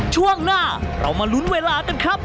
ช่วงหน้าเรามาลุ้นเวลากันครับ